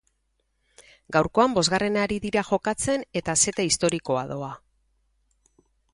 Gaurkoan bosgarrena ari dira jokatzen eta seta historikoa doa.